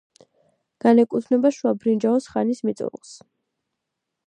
განეკუთვნება შუა ბრინჯაოს ხანის მიწურულს.